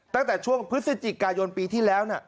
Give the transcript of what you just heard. ตั้งแต่ช่วงพฤศจิกายนปีที่แล้ว